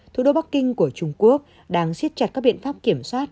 thủ đô bắc kinh của trung quốc đang siết chặt các biện pháp kiểm soát